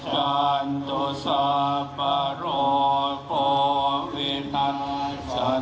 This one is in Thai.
ขออำนาจพระแตรัติเป็นฉัดกั้น